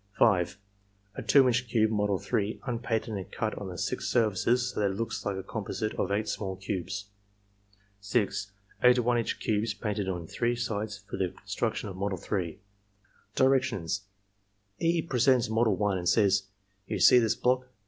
(5) A 2 inch cube (model 3), unpainted and cut on the six surfaces so that it looks like a composite of eight small cubes. (6) Eight 1 inch cubes painted on three sides for the construction of model 3. Directions, — E. presents model 1, and says: "Fou see this block.